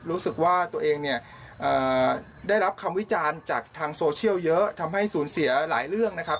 รู้สึกว่าตัวเองเนี่ยได้รับคำวิจารณ์จากทางโซเชียลเยอะทำให้สูญเสียหลายเรื่องนะครับ